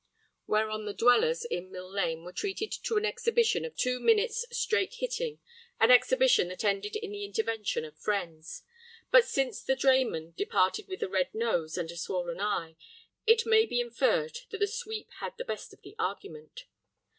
Whereon the dwellers in Mill Lane were treated to an exhibition of two minutes straight hitting, an exhibition that ended in the intervention of friends. But since the drayman departed with a red nose and a swollen eye, it may be inferred that the sweep had the best of the argument.